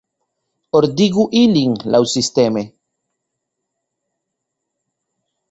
Ordigu ilin laŭsisteme.